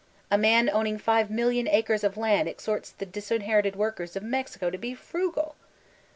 A man owning Sfioofioo acres of land exhorts the disinherited workers of Mexioo to be frugal!